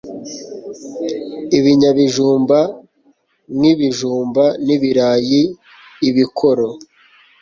Ibinyabijumba nk' Ibijumba n' ibirayi, ibikoro